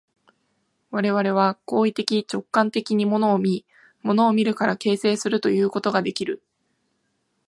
我々は行為的直観的に物を見、物を見るから形成するということができる。